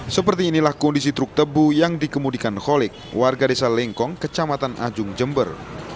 seperti inilah kondisi truk tebu yang dikemudikan kholik warga desa lengkong kecamatan ajung jember